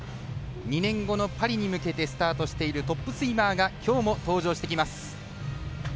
２年後のパリに向けてスタートしているトップスイマーがきょうも登場してきます。